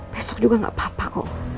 besok juga gak apa apa kok